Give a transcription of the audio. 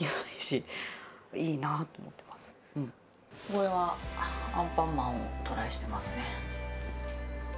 これはアンパンマンをトライしてますね。